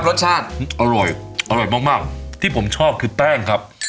รสชาติอร่อยอร่อยมากมากที่ผมชอบคือแป้งครับ